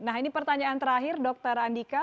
nah ini pertanyaan terakhir dokter andika